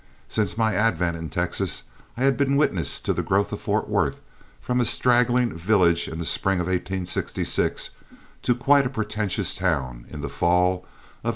Since my advent in Texas I had been witness to the growth of Fort Worth from a straggling village in the spring of 1866 to quite a pretentious town in the fall of 1874.